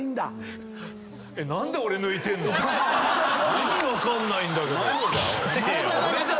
意味分かんないんだけど⁉お前もじゃ！